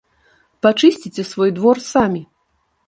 Пачысціце свой двор самі.